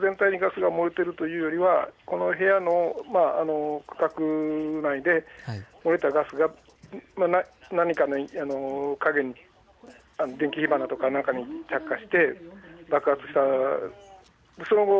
大規模にビル全体にガスが漏れているというよりはこの部屋の区画内で漏れたガスが、何かの電気火花か何か着火して爆発した。